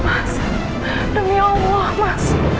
mas demi allah mas